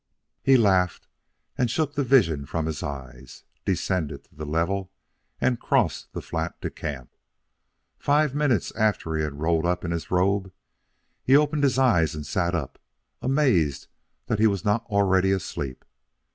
He laughed and shook the vision from his eyes, descended to the level, and crossed the flat to camp. Five minutes after he had rolled up in his robe, he opened his eyes and sat up, amazed that he was not already asleep.